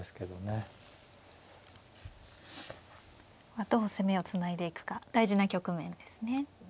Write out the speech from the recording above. どう攻めをつないでいくか大事な局面ですね。